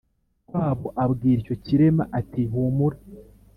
kwabo abwira icyo kirema ati; humura